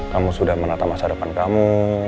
kamu sudah menata masa depan kamu